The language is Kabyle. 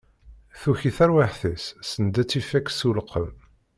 Tuki terwiḥt-is send ad tt-ifak s uleqqem.